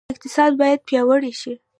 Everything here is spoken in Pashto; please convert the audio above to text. اقتصاد باید پیاوړی شي